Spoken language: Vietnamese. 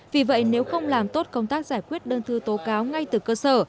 vì vậy nếu không làm tốt công tác giải quyết đơn thư tố cáo ngay từ cơ sở